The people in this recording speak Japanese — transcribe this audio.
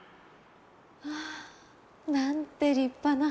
まあなんて立派な。